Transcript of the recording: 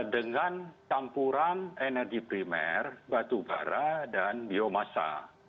dengan tampuran energi primer batu bara dan biomasa